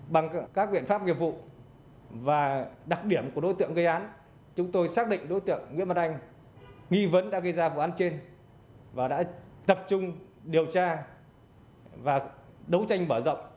bằng các biện pháp nghiệp vụ và đặc điểm của đối tượng gây án chúng tôi xác định đối tượng nguyễn văn anh nghi vấn đã gây ra vụ án trên và đã tập trung điều tra và đấu tranh mở rộng